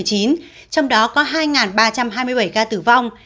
trong đó có hai ba trăm hai mươi bảy ca tử vong